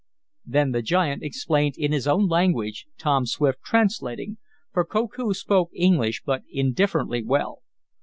Then the giant explained in his own language, Tom Swift translating, for Koku spoke English but indifferently well.